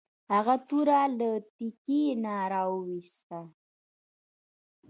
هغه توره له تیکي نه راویوسته.